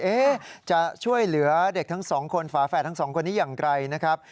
จะช่วยเหลือเด็กทั้งสองคนฝาแฝดทั้งสองคนนี้อย่างไกลนะครับ